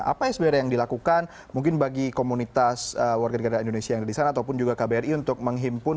apa yang sebenarnya yang dilakukan mungkin bagi komunitas warga negara indonesia yang ada di sana ataupun juga kbri untuk menghimpun